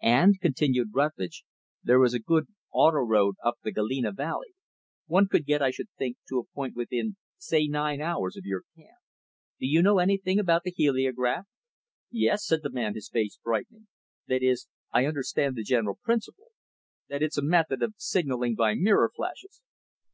"And," continued Rutlidge, "there is a good 'auto' road up the Galena Valley. One could get, I should think, to a point within say nine hours of your camp. Do you know anything about the heliograph?" "Yes," said the man, his face brightening. "That is, I understand the general principle that it's a method of signaling by mirror flashes."